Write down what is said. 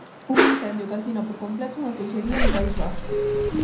Un incendio calcina por completo unha queixería no País Vasco.